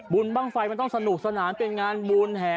บุญบ้างไฟมันต้องสนุกสนานเป็นงานบุญแห่